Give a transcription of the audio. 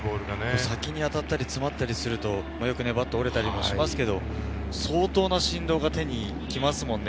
先に当たったり詰まったりするとバットが折れたりもしますけど、相当な振動が手にきますもんね。